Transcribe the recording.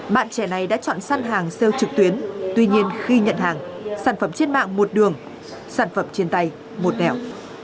bạn trẻ này đã chọn săn hàng sale trực tuyến tuy nhiên khi nhận hàng sản phẩm trên mạng một đường sản phẩm trên tay một nẻo